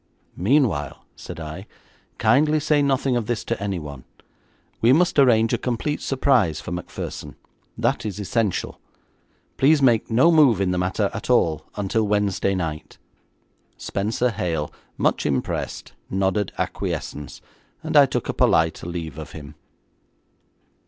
'Meanwhile,' said I, 'kindly say nothing of this to anyone. We must arrange a complete surprise for Macpherson. That is essential. Please make no move in the matter at all until Wednesday night.' Spenser Hale, much impressed, nodded acquiescence, and I took a polite leave of him.